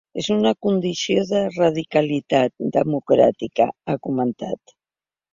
És una condició de radicalitat democràtica, ha comentat.